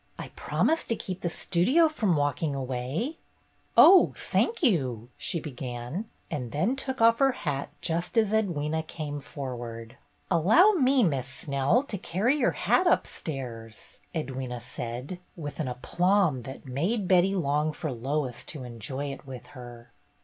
"I promise to keep the Studio from walking away 1 " "Oh, thank you," she began, and then took off her hat just as Edwyna came forward. "Allow me. Miss Snell, to carry your hat upstairs," Edwyna said, with an aplomb that made Betty long for Lois to enjoy it with her.